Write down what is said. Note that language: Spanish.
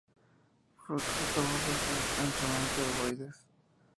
Frutos globosos o anchamente ovoides.